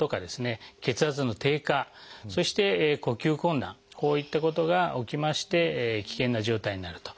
血圧の低下そして呼吸困難こういったことが起きまして危険な状態になると。